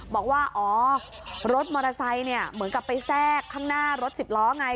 บอกว่าอ๋อรถมอเตอร์ไซค์เนี่ยเหมือนกับไปแทรกข้างหน้ารถสิบล้อไง